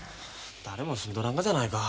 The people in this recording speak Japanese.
誰も住んどらんがじゃないか。